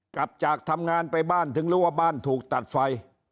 กลับจากทำงานไปบ้านถึงรู้ว่าบ้านถูกตัดไฟ